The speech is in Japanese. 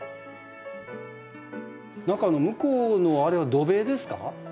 何か向こうのあれは土塀ですか？